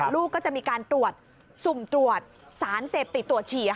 ลูกก็จะมีการตรวจสุ่มตรวจสารเสพติดตรวจเฉีย